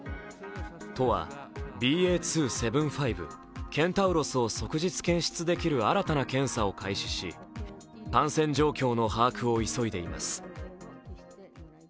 都はＢＡ．２．７５＝ケンタウロスを即日検出できる新たな検査を開始し、感染状況の把握を急いでいます。